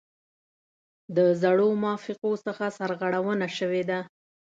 د زړو موافقو څخه سرغړونه شوې ده.